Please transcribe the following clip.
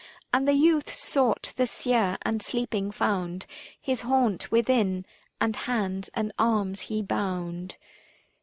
400 And the youth sought the seer, and sleeping found His haunt within, and hands and arms he bound.